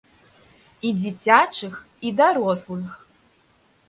І дзіцячых, і дарослых.